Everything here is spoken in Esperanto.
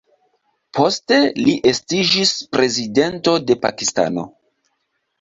Poste li estiĝis Prezidento de Pakistano.